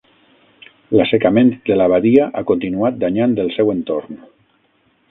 L'assecament de la badia ha continuat danyant el seu entorn.